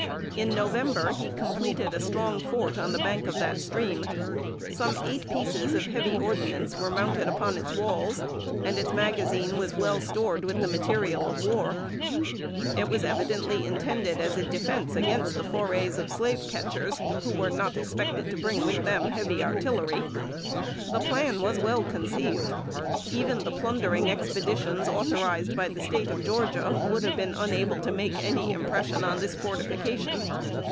In November, he completed a strong fort on the bank of that stream. Some eight pieces of heavy ordnance were mounted upon its walls, and its magazine was well stored with the material of war. It was evidently intended as a defense against the forays of slave catchers, who were not expected to bring with them heavy artillery. The plan was well conceived. Even the plundering expeditions authorized by the State of Georgia, would have been unable to make any impression on this fortification.